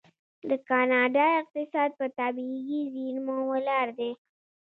د کاناډا اقتصاد په طبیعي زیرمو ولاړ دی.